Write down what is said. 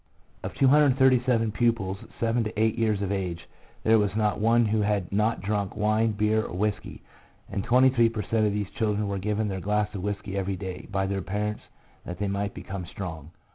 Of 237 pupils, seven to eight years of age, there was not one who had not drunk wine, beer, or whisky, and 23 per cent, of these children were given their glass of whisky every day by their parents that they might become strong.